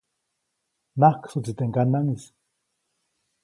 Najksuʼtsi teʼ ŋganaŋʼis.